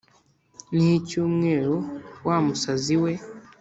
nicyumweru, wa musazi we!